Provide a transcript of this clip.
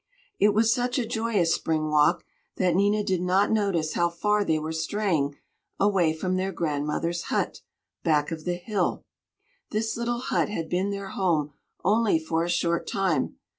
It was such a joyous spring walk that Nina did not notice how far they were straying away from their grandmother's hut, back of the hill. This little hut had been their home only for a short time.